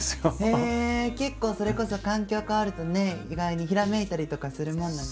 結構それこそ環境変わるとね意外にひらめいたりとかするもんなんですか？